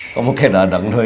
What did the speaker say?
kamu kayak dadang doi